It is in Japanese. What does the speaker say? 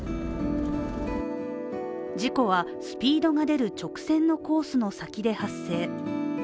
事故は、スピードが出る直線のコースの先で発生。